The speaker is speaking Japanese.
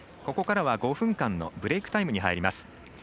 ここからは５分間のブレークタイムに入ります。